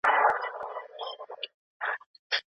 زه د دې ستر انسان د درناوي لپاره دا مجسمه له ځان سره ګرځوم.